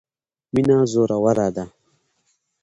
مینه زوروره ده.